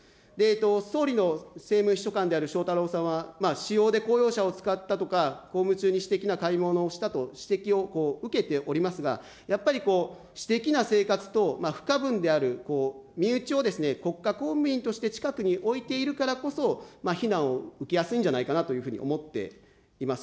総理の政務秘書官である翔太郎さんは、仕様で公用車を使ったとか公務中に私的な買い物をしたと、指摘を受けておりますが、やっぱり私的な生活と不可分である身内を、国家公務員として近くに置いているからこそ、非難を受けやすいんじゃないかなというふうに思っています。